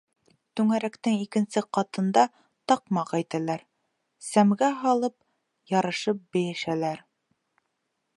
Түңәрәктең икенсе ҡатында таҡмаҡ әйтәләр, сәмгә һалып ярышып бейешәләр: